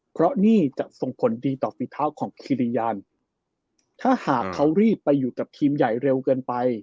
เพราะนี่จะทรงผลดีต่อฟิทารของถ้าหากเขารีบไปอยู่กับทีมใหญ่เร็วเกินไป